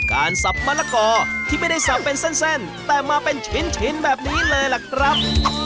สับมะละกอที่ไม่ได้สับเป็นเส้นแต่มาเป็นชิ้นแบบนี้เลยล่ะครับ